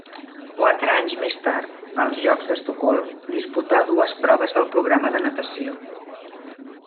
Quatre anys més tard, als Jocs d'Estocolm, disputà dues proves del programa de natació.